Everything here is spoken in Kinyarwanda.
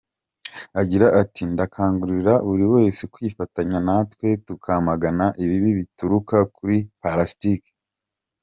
Agira ati “Ndakangurira buri wese kwifatanya natwe tukamagana ibibi bituruka kuri palasitike.